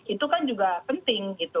itu kan juga penting gitu